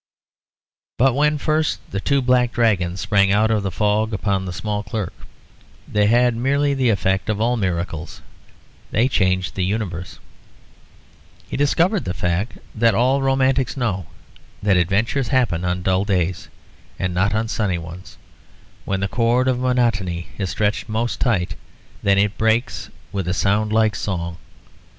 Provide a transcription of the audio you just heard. But when first the two black dragons sprang out of the fog upon the small clerk, they had merely the effect of all miracles they changed the universe. He discovered the fact that all romantics know that adventures happen on dull days, and not on sunny ones. When the chord of monotony is stretched most tight, then it breaks with a sound like song.